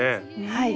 はい。